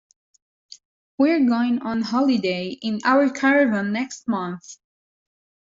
We're going on holiday in our caravan next month